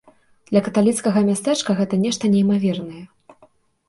Для каталіцкага мястэчка гэта нешта неймавернае.